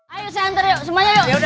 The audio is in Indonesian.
ayo saya antar yuk semuanya yuk